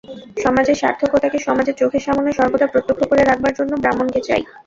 সমাজের সার্থকতাকে সমাজের চোখের সামনে সর্বদা প্রত্যক্ষ করে রাখবার জন্যে ব্রাহ্মণকে চাই।